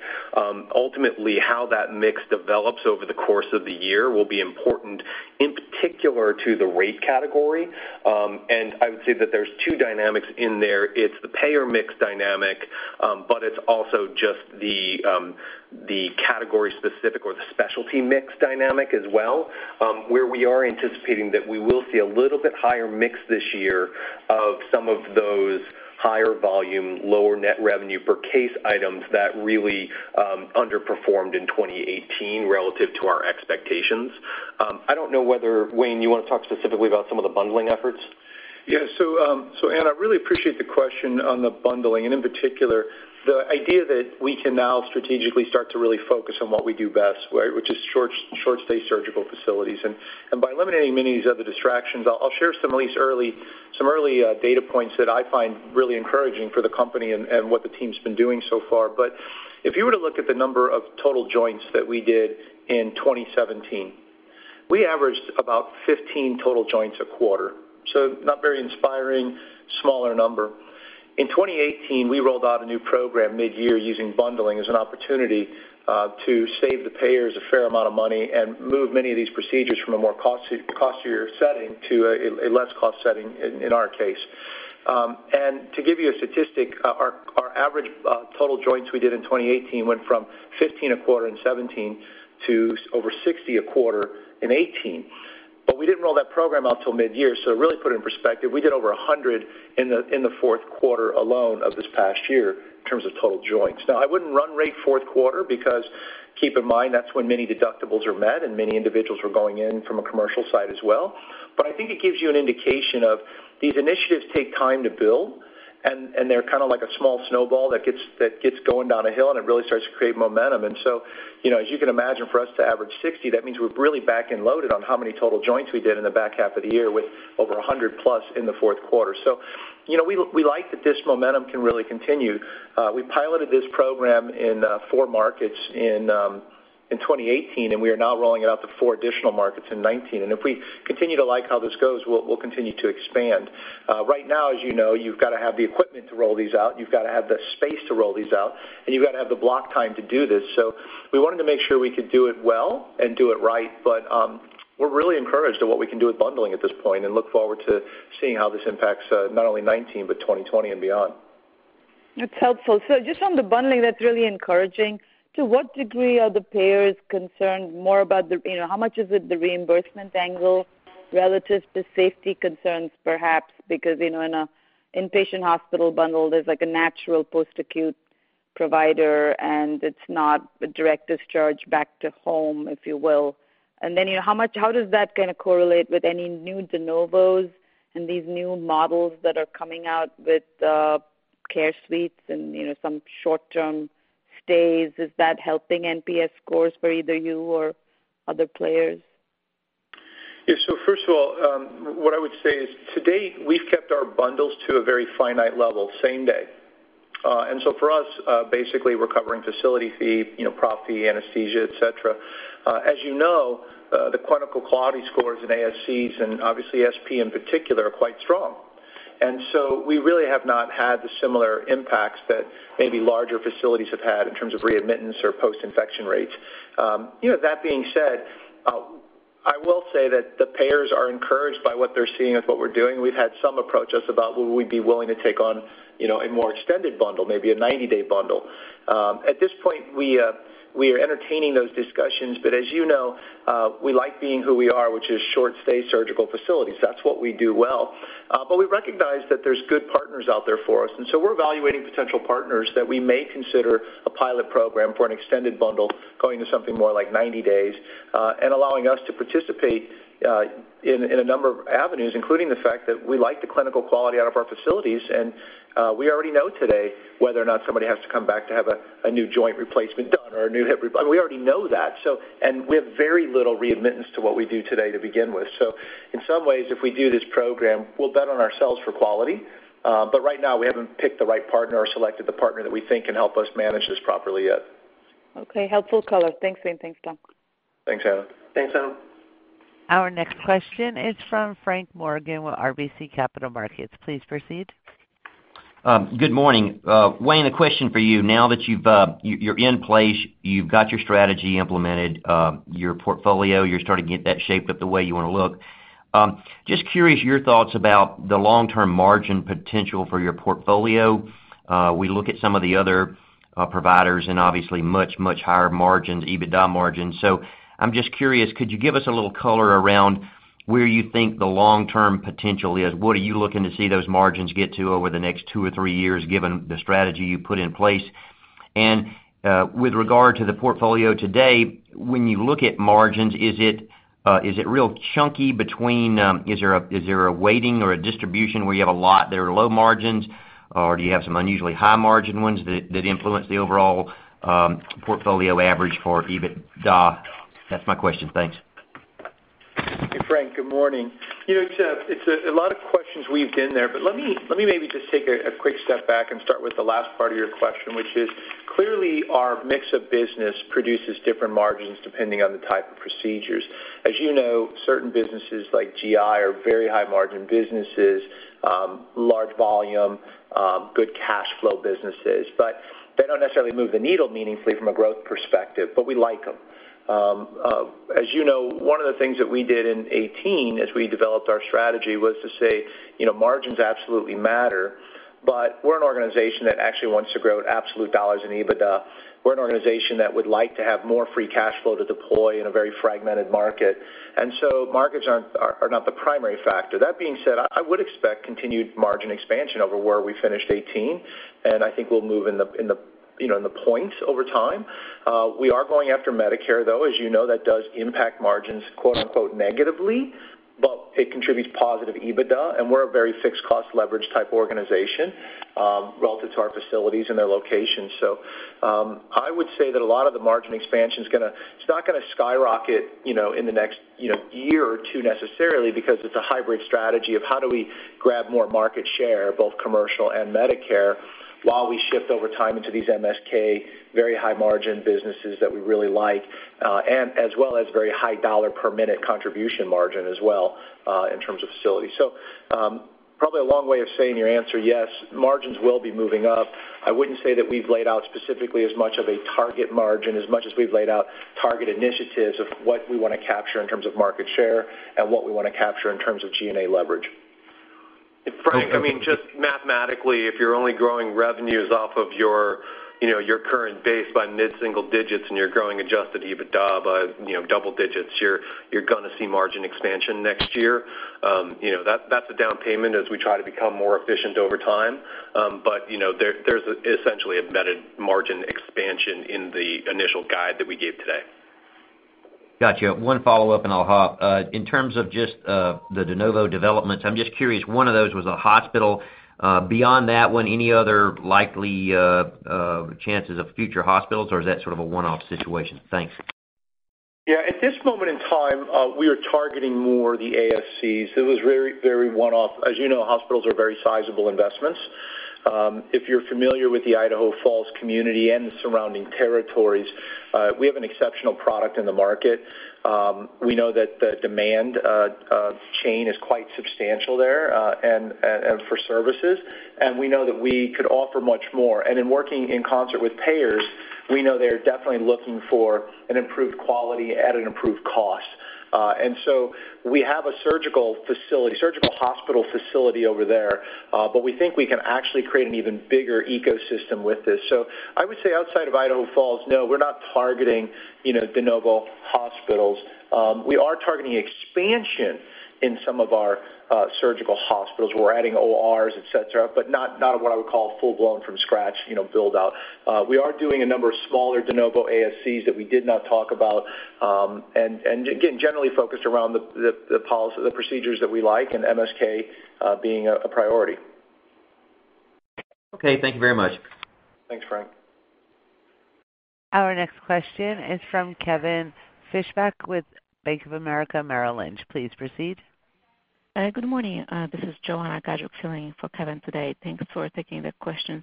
Ultimately, how that mix develops over the course of the year will be important, in particular to the rate category. I would say that there's two dynamics in there. It's the payer mix dynamic. It's also just the category specific or the specialty mix dynamic as well, where we are anticipating that we will see a little bit higher mix this year of some of those. Higher volume, lower net revenue per case items that really underperformed in 2018 relative to our expectations. I don't know whether, [Wayne], you want to talk specifically about some of the bundling efforts? Yeah. [Ana], I really appreciate the question on the bundling, and in particular, the idea that we can now strategically start to really focus on what we do best, which is short stay surgical facilities. By eliminating many of these other distractions, I'll share some early data points that I find really encouraging for the company and what the team's been doing so far. If you were to look at the number of total joints that we did in 2017, we averaged about 15 total joints a quarter. Not very inspiring, smaller number. In 2018, we rolled out a new program mid-year using bundling as an opportunity to save the payers a fair amount of money and move many of these procedures from a more costlier setting to a less cost setting in our case. To give you a statistic, our average total joints we did in 2018 went from 15 total joints a quarter in 2017 to over 60 total joints a quarter in 2018. We didn't roll that program out till mid-year, so to really put it in perspective, we did over 100 total joints in the fourth quarter alone of this past year in terms of total joints. Now, I wouldn't run rate fourth quarter because keep in mind, that's when many deductibles are met and many individuals were going in from a commercial side as well. I think it gives you an indication of these initiatives take time to build, and they're like a small snowball that gets going down a hill, and it really starts to create momentum. As you can imagine, for us to average 60 total joints, that means we're really back and loaded on how many total joints we did in the back half of the year with over 100+ total joints in the fourth quarter. We like that this momentum can really continue. We piloted this program in four markets in 2018, and we are now rolling it out to four additional markets in 2019. If we continue to like how this goes, we'll continue to expand. Right now, as you know, you've got to have the equipment to roll these out, you've got to have the space to roll these out, and you've got to have the block time to do this. We wanted to make sure we could do it well and do it right, but we're really encouraged at what we can do with bundling at this point and look forward to seeing how this impacts not only 2019 but 2020 and beyond. That's helpful. Just on the bundling, that's really encouraging. To what degree are the payers concerned more about the, how much is it the reimbursement angle relative to safety concerns, perhaps? Because in an inpatient hospital bundle, there's like a natural post-acute provider, and it's not a direct discharge back to home, if you will. Then how does that correlate with any new de novos and these new models that are coming out with care suites and some short-term stays? Is that helping NPS scores for either you or other players? Yeah. First of all, what I would say is to date, we've kept our bundles to a very finite level, same day. For us, basically, we're covering facility fee, prop fee, anesthesia, et cetera. As you know, the clinical quality scores and ASCs, and obviously SP in particular, are quite strong. We really have not had the similar impacts that maybe larger facilities have had in terms of readmittance or post-infection rates. That being said, I will say that the payers are encouraged by what they're seeing with what we're doing. We've had some approach us about would we be willing to take on a more extended bundle, maybe a 90-day bundle. At this point, we are entertaining those discussions. As you know, we like being who we are, which is short stay surgical facilities. That's what we do well. We recognize that there's good partners out there for us, we're evaluating potential partners that we may consider a pilot program for an extended bundle, going to something more like 90 days, and allowing us to participate in a number of avenues, including the fact that we like the clinical quality out of our facilities. We already know today whether or not somebody has to come back to have a new joint replacement done or a new hip. We already know that. We have very little readmittance to what we do today to begin with. In some ways, if we do this program, we'll bet on ourselves for quality. Right now, we haven't picked the right partner or selected the partner that we think can help us manage this properly yet. Okay. Helpful color. Thanks, Wayne. Thanks, Tom. Thanks, Ana. Thanks, Ana. Our next question is from Frank Morgan with RBC Capital Markets. Please proceed. Good morning. Wayne, a question for you. Now that you're in place, you've got your strategy implemented, your portfolio, you're starting to get that shaped up the way you want to look. Just curious your thoughts about the long-term margin potential for your portfolio. We look at some of the other providers and obviously much, much higher margins, EBITDA margins. I'm just curious, could you give us a little color around where you think the long-term potential is? What are you looking to see those margins get to over the next two or three years, given the strategy you put in place? With regard to the portfolio today, when you look at margins, is it real chunky between, is there a weighting or a distribution where you have a lot that are low margins, or do you have some unusually high margin ones that influence the overall portfolio average for EBITDA? That's my question. Thanks. Hey, Frank, good morning. It's a lot of questions weaved in there, but let me maybe just take a quick step back and start with the last part of your question, which is clearly our mix of business produces different margins depending on the type of procedures. As you know, certain businesses like GI are very high margin businesses, large volume, good cash flow businesses. They don't necessarily move the needle meaningfully from a growth perspective, but we like them. As you know, one of the things that we did in 2018 as we developed our strategy was to say, margins absolutely matter, but we're an organization that actually wants to grow at absolute dollars in EBITDA. We're an organization that would like to have more free cash flow to deploy in a very fragmented market. So margins are not the primary factor. That being said, I would expect continued margin expansion over where we finished 2018, I think we'll move in the points over time. We are going after Medicare, though. As you know, that does impact margins, quote unquote, "negatively," but it contributes positive EBITDA, we're a very fixed cost leverage type organization relative to our facilities and their locations. I would say that a lot of the margin expansion it's not going to skyrocket in the next year or two necessarily because it's a hybrid strategy of how do we grab more market share, both commercial and Medicare, while we shift over time into these MSK, very high margin businesses that we really like, as well as very high dollar per minute contribution margin as well, in terms of facilities. Probably a long way of saying your answer, yes, margins will be moving up. I wouldn't say that we've laid out specifically as much of a target margin, as much as we've laid out target initiatives of what we want to capture in terms of market share and what we want to capture in terms of G&A leverage. Frank, just mathematically, if you're only growing revenues off of your current base by mid-single digits and you're growing adjusted EBITDA by double digits, you're going to see margin expansion next year. That's a down payment as we try to become more efficient over time. There's essentially embedded margin expansion in the initial guide that we gave today. Got you. One follow-up and I'll hop. In terms of just the de novo developments, I'm just curious, one of those was a hospital. Beyond that one, any other likely chances of future hospitals, or is that sort of a one-off situation? Thanks. Yeah. At this moment in time, we are targeting more the ASCs. It was very one-off. As you know, hospitals are very sizable investments. If you're familiar with the Idaho Falls community and the surrounding territories, we have an exceptional product in the market. We know that the demand chain is quite substantial there, and for services, we know that we could offer much more. In working in concert with payers, we know they're definitely looking for an improved quality at an improved cost. We have a surgical hospital facility over there, but we think we can actually create an even bigger ecosystem with this. I would say outside of Idaho Falls, no, we're not targeting de novo hospitals. We are targeting expansion in some of our surgical hospitals. We're adding ORs, et cetera, but not what I would call full-blown from scratch build-out. We are doing a number of smaller de novo ASCs that we did not talk about, again, generally focused around the procedures that we like, MSK being a priority. Okay. Thank you very much. Thanks, Frank. Our next question is from Kevin Fischbeck with Bank of America Merrill Lynch. Please proceed. Good morning. This is Joanna Gajuk filling in for Kevin today. Thanks for taking the question.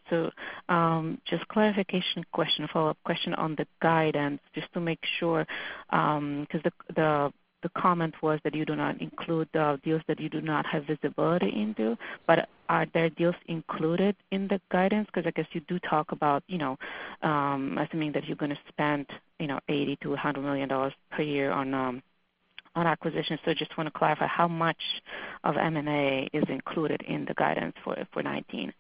Just clarification question, follow-up question on the guidance, just to make sure, the comment was that you do not include the deals that you do not have visibility into. Are there deals included in the guidance? I guess you do talk about assuming that you're going to spend $80 million-$100 million per year on acquisitions. Just want to clarify how much of M&A is included in the guidance for 2019.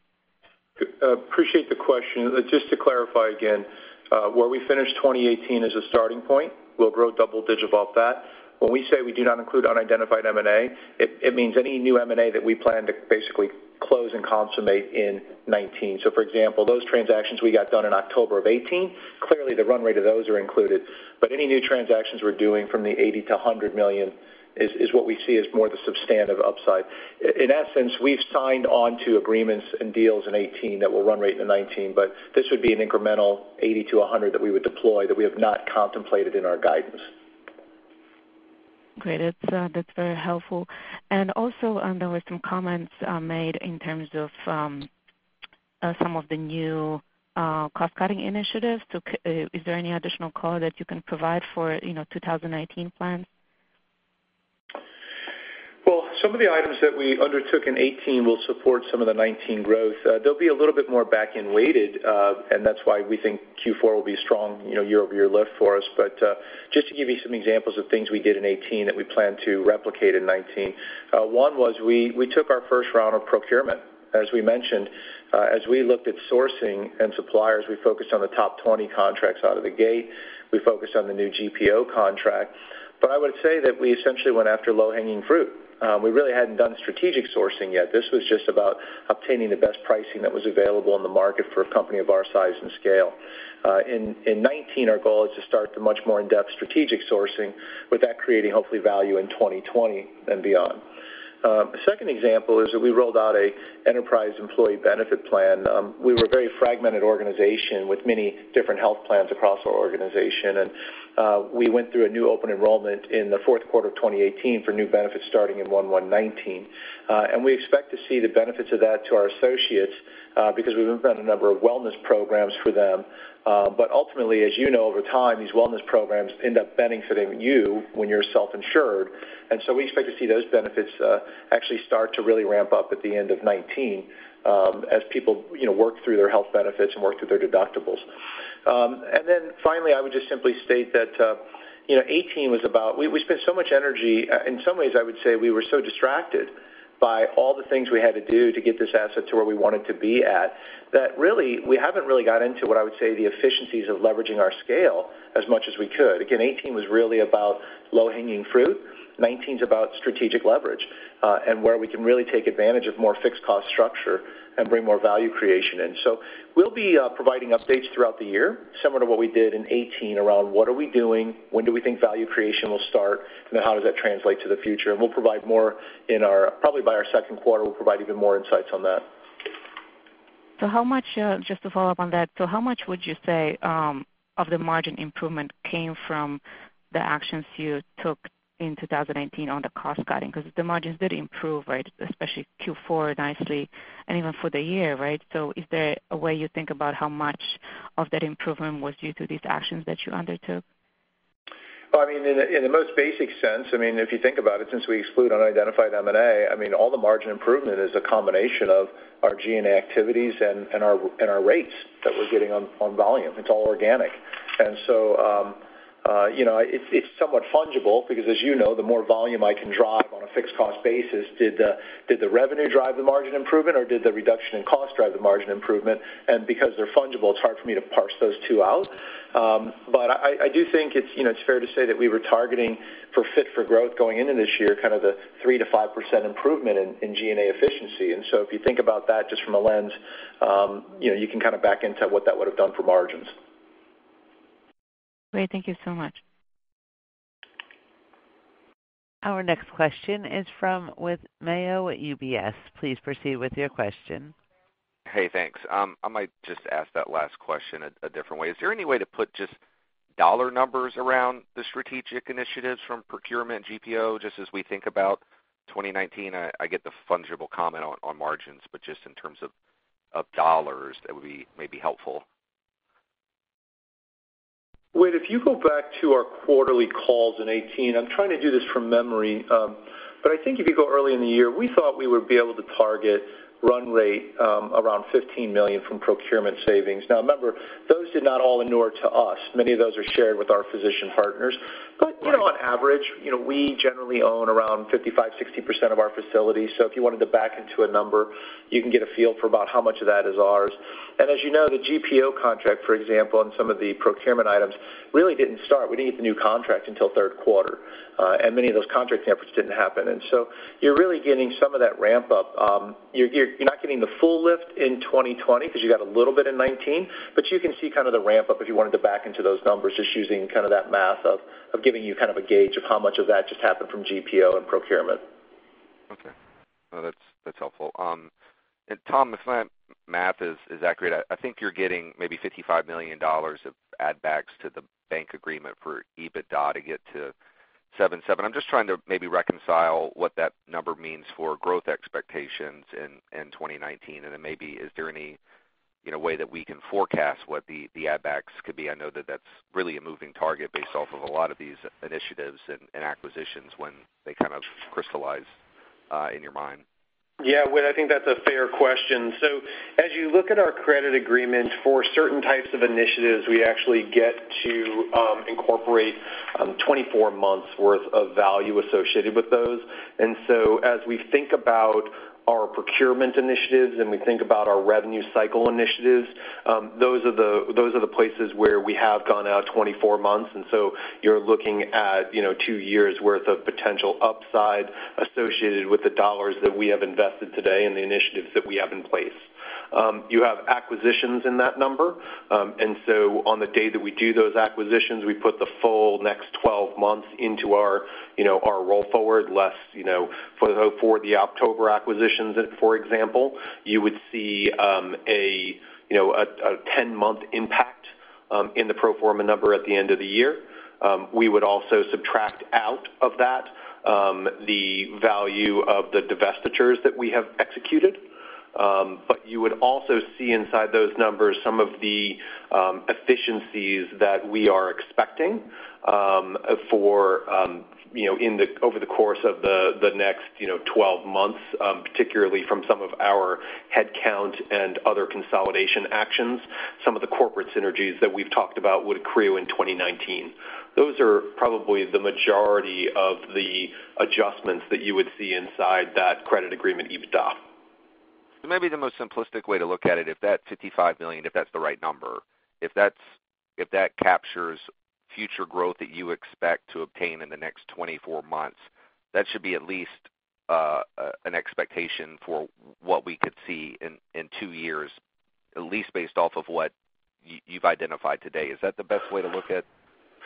Appreciate the question. Just to clarify again, where we finished 2018 as a starting point, we'll grow double digit above that. When we say we do not include unidentified M&A, it means any new M&A that we plan to basically close and consummate in 2019. For example, those transactions we got done in October of 2018, clearly the run rate of those are included. Any new transactions we're doing from the $80 million-$100 million is what we see as more the substantive upside. In essence, we've signed on to agreements and deals in 2018 that will run rate into 2019, but this would be an incremental $80 million-$100 million that we would deploy that we have not contemplated in our guidance. Great. That's very helpful. Also, there were some comments made in terms of some of the new cost-cutting initiatives. Is there any additional color that you can provide for 2019 plans? Some of the items that we undertook in 2018 will support some of the 2019 growth. They'll be a little bit more back-end weighted, and that's why we think Q4 will be strong year-over-year lift for us. Just to give you some examples of things we did in 2018 that we plan to replicate in 2019. One was we took our first round of procurement. As we mentioned, as we looked at sourcing and suppliers, we focused on the top 20 contracts out of the gate. We focused on the new GPO contract. I would say that we essentially went after low-hanging fruit. We really hadn't done strategic sourcing yet. This was just about obtaining the best pricing that was available in the market for a company of our size and scale. In 2019, our goal is to start the much more in-depth strategic sourcing with that creating hopefully value in 2020 and beyond. A second example is that we rolled out an enterprise employee benefit plan. We were a very fragmented organization with many different health plans across our organization, we went through a new open enrollment in the fourth quarter of 2018 for new benefits starting in 01/01/2019. We expect to see the benefits of that to our associates because we've implemented a number of wellness programs for them. Ultimately, as you know, over time, these wellness programs end up benefiting you when you're self-insured. We expect to see those benefits actually start to really ramp up at the end of 2019 as people work through their health benefits and work through their deductibles. Then finally, I would just simply state that 2018 was about, we spent so much energy, in some ways I would say we were so distracted by all the things we had to do to get this asset to where we want it to be at, that really, we haven't really got into what I would say the efficiencies of leveraging our scale as much as we could. Again, 2018 was really about low-hanging fruit. 2019's about strategic leverage, and where we can really take advantage of more fixed cost structure and bring more value creation in. We'll be providing updates throughout the year, similar to what we did in 2018, around what are we doing, when do we think value creation will start, and then how does that translate to the future. Probably by our second quarter, we'll provide even more insights on that. Just to follow up on that, so how much would you say of the margin improvement came from the actions you took in 2019 on the cost-cutting? Because the margins did improve, especially Q4, nicely, and even for the year. Is there a way you think about how much of that improvement was due to these actions that you undertook? Well, in the most basic sense, if you think about it, since we exclude unidentified M&A, all the margin improvement is a combination of our G&A activities and our rates that we're getting on volume. It's all organic. It's somewhat fungible because as you know, the more volume I can drive on a fixed cost basis, did the revenue drive the margin improvement or did the reduction in cost drive the margin improvement? Because they're fungible, it's hard for me to parse those two out. I do think it's fair to say that we were targeting for Fit for Growth going into this year, the 3%-5% improvement in G&A efficiency. If you think about that just from a lens, you can back into what that would've done for margins. Great. Thank you so much. Our next question is from Whit Mayo at UBS. Please proceed with your question. Hey, thanks. I might just ask that last question a different way. Is there any way to put just dollar numbers around the strategic initiatives from procurement GPO just as we think about 2019? I get the fungible comment on margins, but just in terms of dollars, that would be maybe helpful. Whit, if you go back to our quarterly calls in 2018, I'm trying to do this from memory, but I think if you go early in the year, we thought we would be able to target run rate around $15 million from procurement savings. Remember, those did not all inure to us. Many of those are shared with our physician partners. On average, we generally own around 55%-60% of our facilities. So if you wanted to back into a number, you can get a feel for about how much of that is ours. As you know, the GPO contract, for example, and some of the procurement items really didn't start. We didn't get the new contract until third quarter. Many of those contract efforts didn't happen. You're really getting some of that ramp up. You're not getting the full lift in 2020 because you got a little bit in 2019, but you can see the ramp up if you wanted to back into those numbers, just using that math of giving you a gauge of how much of that just happened from GPO and procurement. Okay. No, that's helpful. Tom, if my math is accurate, I think you're getting maybe $55 million of add backs to the bank agreement for EBITDA to get to 7.7x. I'm just trying to maybe reconcile what that number means for growth expectations in 2019, then maybe is there any way that we can forecast what the add backs could be? I know that that's really a moving target based off of a lot of these initiatives and acquisitions when they crystallize in your mind. Yeah, Whit, I think that's a fair question. As you look at our credit agreement for certain types of initiatives, we actually get to incorporate 24 months worth of value associated with those. As we think about our procurement initiatives and we think about our revenue cycle initiatives, those are the places where we have gone out 24 months. You're looking at two years worth of potential upside associated with the dollars that we have invested today and the initiatives that we have in place. You have acquisitions in that number, on the day that we do those acquisitions, we put the full next 12 months into our roll forward less for the October acquisitions, for example, you would see a 10-month impact in the pro forma number at the end of the year. We would also subtract out of that the value of the divestitures that we have executed. You would also see inside those numbers some of the efficiencies that we are expecting over the course of the next 12 months, particularly from some of our headcount and other consolidation actions, some of the corporate synergies that we've talked about would accrue in 2019. Those are probably the majority of the adjustments that you would see inside that credit agreement EBITDA. Maybe the most simplistic way to look at it, if that $55 million, if that's the right number, if that captures future growth that you expect to obtain in the next 24 months, that should be at least an expectation for what we could see in two years, at least based off of what you've identified today. Is that the best way to look at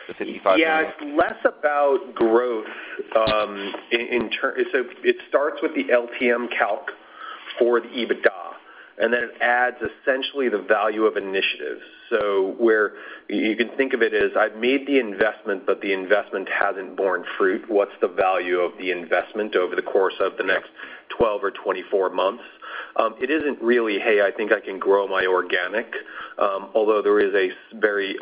the $55 million? Yeah. It's less about growth. It starts with the LTM calc for the EBITDA, and then it adds essentially the value of initiatives. Where you can think of it as I've made the investment, but the investment hasn't borne fruit. What's the value of the investment over the course of the next 12 or 24 months? It isn't really, "Hey, I think I can grow my organic." Although there is a very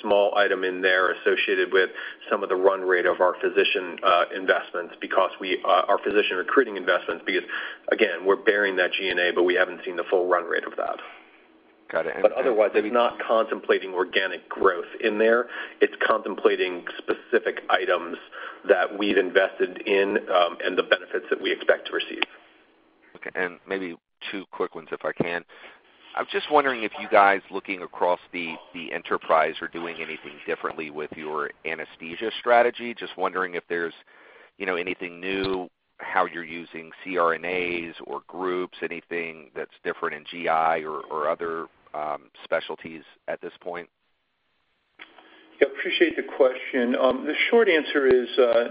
small item in there associated with some of the run rate of our physician investments because our physician recruiting investments, again, we're bearing that G&A, but we haven't seen the full run rate of that. Got it. Otherwise, it's not contemplating organic growth in there. It's contemplating specific items that we've invested in, and the benefits that we expect to receive. Okay, maybe two quick ones, if I can. I'm just wondering if you guys looking across the enterprise are doing anything differently with your anesthesia strategy. Just wondering if there's anything new, how you're using CRNAs or groups, anything that's different in GI or other specialties at this point? Yeah, appreciate the question. The short answer is,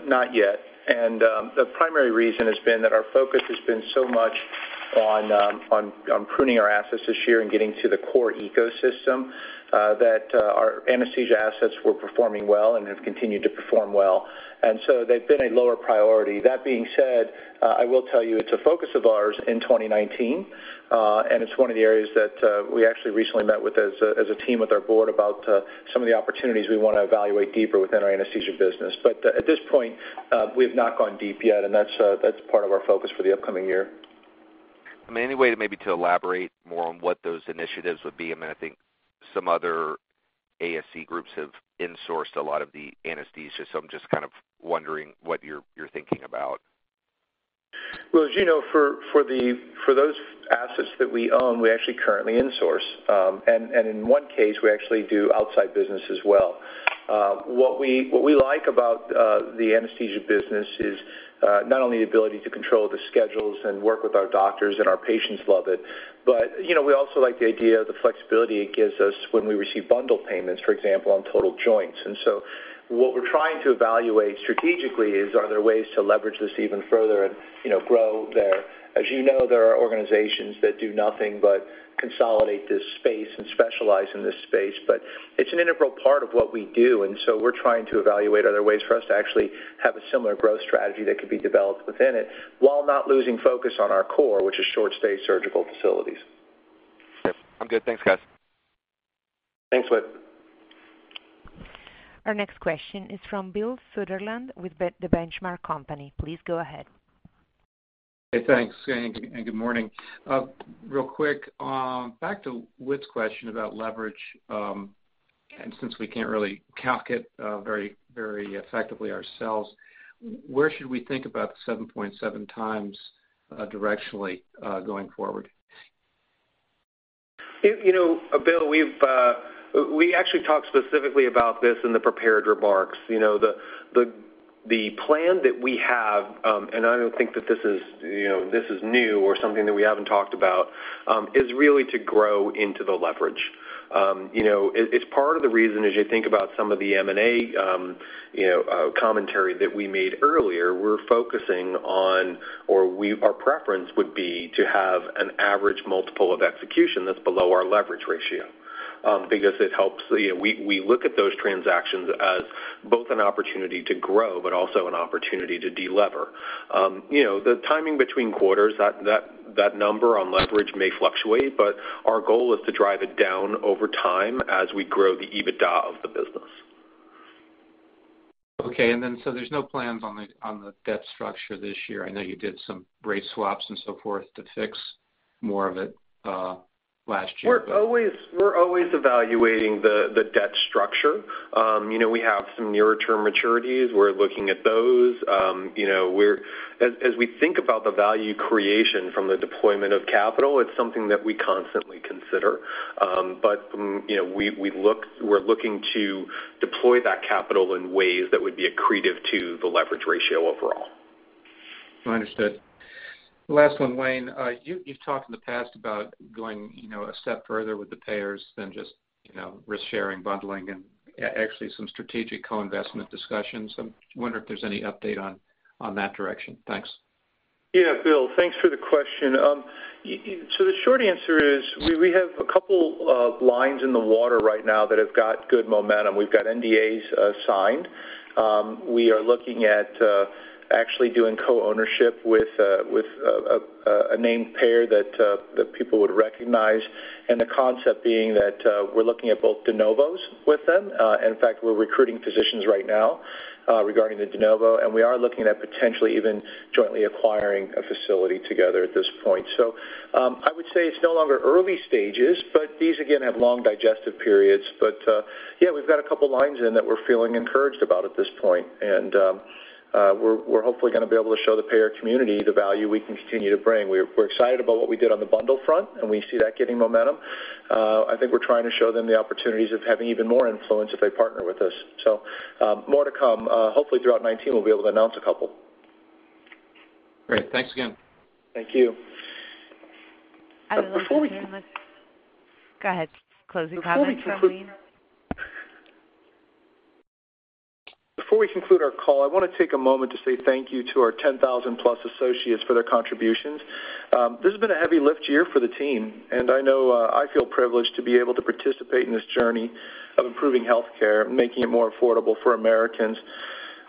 not yet. The primary reason has been that our focus has been so much on pruning our assets this year and getting to the core ecosystem, that our anesthesia assets were performing well and have continued to perform well. They've been a lower priority. That being said, I will tell you, it's a focus of ours in 2019. It's one of the areas that we actually recently met with as a team with our board about some of the opportunities we want to evaluate deeper within our anesthesia business. At this point, we have not gone deep yet, and that's part of our focus for the upcoming year. Any way to maybe to elaborate more on what those initiatives would be? I think some other ASC groups have insourced a lot of the anesthesia, so I'm just kind of wondering what you're thinking about. Well, as you know, for those assets that we own, we actually currently insource. In one case, we actually do outside business as well. What we like about the anesthesia business is not only the ability to control the schedules and work with our doctors, and our patients love it, but we also like the idea of the flexibility it gives us when we receive bundle payments, for example, on total joints. What we're trying to evaluate strategically is, are there ways to leverage this even further and grow there? As you know, there are organizations that do nothing but consolidate this space and specialize in this space, it's an integral part of what we do, we're trying to evaluate other ways for us to actually have a similar growth strategy that could be developed within it while not losing focus on our core, which is short stay surgical facilities. Yep. I'm good. Thanks, guys. Thanks, Whit. Our next question is from Bill Sutherland with The Benchmark Company. Please go ahead. Hey, thanks, and good morning. Real quick, back to Whit's question about leverage. Since we can't really calc it very effectively ourselves, where should we think about the 7.7x directionally going forward? Bill, we actually talked specifically about this in the prepared remarks. The plan that we have, and I don't think that this is new or something that we haven't talked, is really to grow into the leverage. It's part of the reason as you think about some of the M&A commentary that we made earlier, we're focusing on or our preference would be to have an average multiple of execution that's below our leverage ratio, because it helps. We look at those transactions as both an opportunity to grow, but also an opportunity to delever. The timing between quarters, that number on leverage may fluctuate, but our goal is to drive it down over time as we grow the EBITDA of the business. Okay, there's no plans on the debt structure this year. I know you did some rate swaps and so forth to fix more of it last year. We're always evaluating the debt structure. We have some nearer term maturities. We're looking at those. As we think about the value creation from the deployment of capital, it's something that we constantly consider. We're looking to deploy that capital in ways that would be accretive to the leverage ratio overall. Understood. Last one, Wayne. You've talked in the past about going a step further with the payers than just risk sharing, bundling, and actually some strategic co-investment discussions. I'm wondering if there's any update on that direction. Thanks. Yeah, Bill, thanks for the question. The short answer is, we have a couple of lines in the water right now that have got good momentum. We've got NDAs signed. We are looking at actually doing co-ownership with a named payer that people would recognize, and the concept being that we're looking at both de novos with them. In fact, we're recruiting physicians right now regarding the de novo, and we are looking at potentially even jointly acquiring a facility together at this point. I would say it's no longer early stages, these again have long digestive periods. Yeah, we've got a couple lines in that we're feeling encouraged about at this point. We're hopefully going to be able to show the payer community the value we can continue to bring. We're excited about what we did on the bundle front, and we see that getting momentum. I think we're trying to show them the opportunities of having even more influence if they partner with us. More to come. Hopefully throughout 2019, we'll be able to announce a couple. Great. Thanks again. Thank you. I would like to. Before we. Go ahead. Closing comments from Wayne. Before we conclude our call, I want to take a moment to say thank you to our 10,000+ associates for their contributions. This has been a heavy lift year for the team. I know I feel privileged to be able to participate in this journey of improving healthcare and making it more affordable for Americans.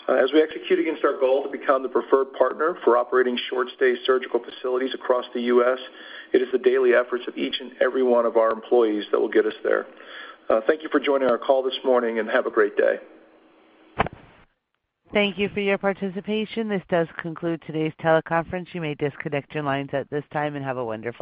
As we execute against our goal to become the preferred partner for operating short-stay surgical facilities across the U.S., it is the daily efforts of each and every one of our employees that will get us there. Thank you for joining our call this morning. Have a great day. Thank you for your participation. This does conclude today's teleconference. You may disconnect your lines at this time. Have a wonderful day.